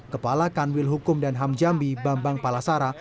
kepala kanwil hukum dan ham jambi bambang palasara